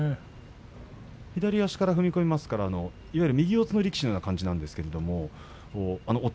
左足から踏み込みますから右四つの力士のような感じになります。